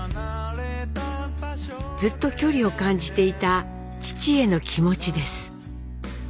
ずっと距離を感じていた父への気持ちです。